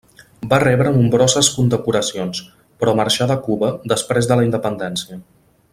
Va rebre nombroses condecoracions però marxà de Cuba després de la independència.